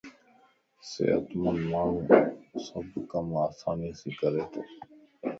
صحتمند ماڻھو سڀ ڪم آسانيءَ سين ڪري تو.